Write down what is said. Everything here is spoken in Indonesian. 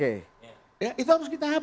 itu harus kita hapus